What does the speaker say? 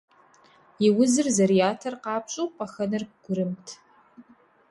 И узыр зэрыятэр къапщӏэу, пӏэхэнэр гурымт.